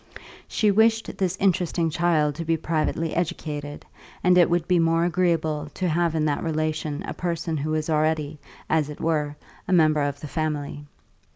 She wished this interesting child to be privately educated, and it would be more agreeable to have in that relation a person who was already, as it were, a member of the family.